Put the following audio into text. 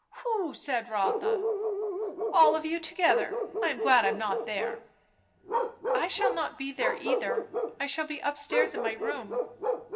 "Who?" said Rotha. "All of you together. I am glad I'm not there." "I shall not be there either. I shall be up stairs in my room."